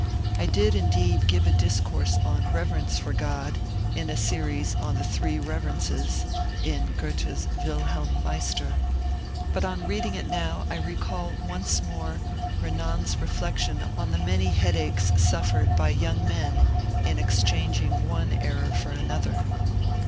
I did indeed give a discourse on reverence for God, in a series on the Three fieverences (in Goethe's '^ Wilhelm Meister "), but on reading it now I recall once more Benan's reflection on the many headaches suffered by young men in exchanging one error for another.